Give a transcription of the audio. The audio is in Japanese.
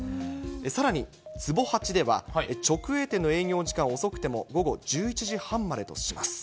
さらに、つぼ八では直営店の営業時間を遅くても午後１１時半までとします。